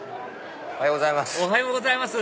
おはようございます。